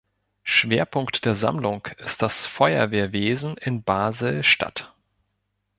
Schwerpunkt der Sammlung ist das Feuerwehrwesen in Basel-Stadt.